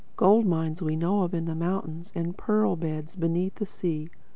Gold mines we know of in the mountains and pearl beds beneath the sea.